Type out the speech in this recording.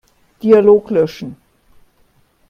Dialog löschen.